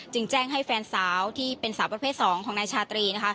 แจ้งให้แฟนสาวที่เป็นสาวประเภท๒ของนายชาตรี